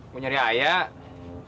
gue nyari ayah